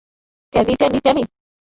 Tally, tally, tally.